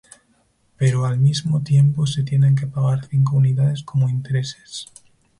Pero al mismo tiempo se tienen que pagar cinco unidades como intereses.